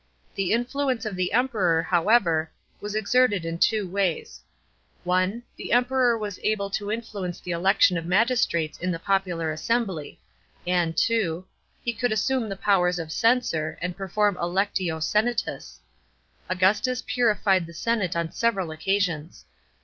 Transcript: The influence of the Emperor, however, was exerted in two ways. (1) The Emperor was able to influence the election of magistrates in the popular assembly (see below, § 5 (2) ), and (2) he coull assume the powers of censor, and perform a lectio seriatus. Augustus puriried ihe senate on several occasions.